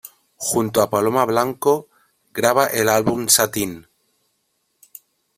Junto a Paloma Blanco graba el álbum "Satin...